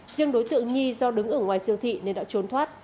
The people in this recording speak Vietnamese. riêng đối tượng nhi do đứng ở ngoài siêu thị nên đã trốn thoát